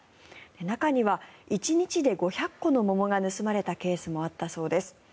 中には１日で５００個の桃が盗まれたケースもあったそうです。